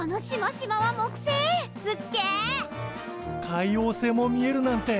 海王星も見えるなんて。